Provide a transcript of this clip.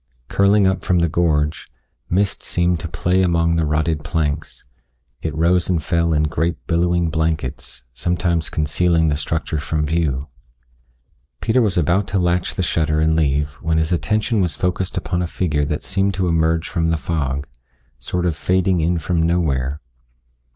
Curling up from the gorge, mist seemed to play among the rotted planks; it rose and fell in great billowing blankets, sometimes concealing the structure from view. Peter was about to latch the shutter and leave when his attention was focused upon a figure that seemed to emerge from the fog sort of fading in from nowhere.